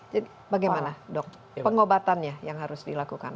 bagaimana dok pengobatannya yang harus dilakukan